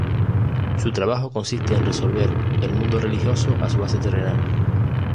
Su trabajo consiste en resolver el mundo religioso a su base terrenal.